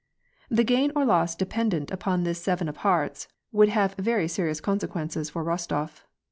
The gain or loss dependent upon this seven of hearts, would have very serious consequences for Rostof.